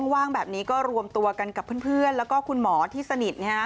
ว่างแบบนี้ก็รวมตัวกันกับเพื่อนแล้วก็คุณหมอที่สนิท